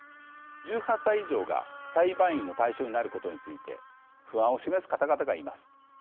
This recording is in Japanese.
１８歳以上が裁判員の対象になることについて不安を示す方々がいます。